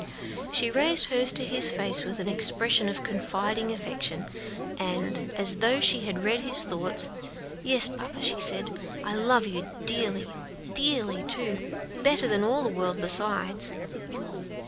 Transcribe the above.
She raised hers to his face with an expression of confiding affection; and, as though she had read his thoughts: "Yes, papa," she said, "I love you dearly, dearly, too; better than all the world besides."